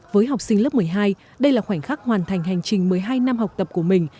với học sinh lớp một mươi hai đây là khoảnh khắc hoàn thành hành trình một mươi hai năm học tập của mình